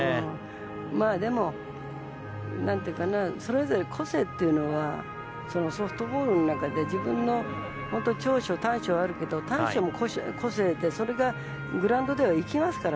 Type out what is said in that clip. でも、それぞれ個性というのはソフトボールの中で自分の長所、短所があるけど短所も個性で、それがグラウンドでは生きますから。